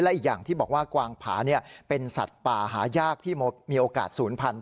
อีกอย่างที่บอกว่ากวางผาเป็นสัตว์ป่าหายากที่มีโอกาสศูนย์พันธุ